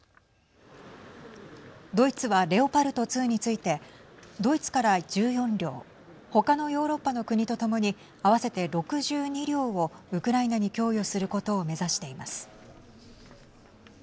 ドイツはレオパルト２についてドイツから１４両他のヨーロッパの国と共に合わせて６２両をウクライナに供与することを目指しています。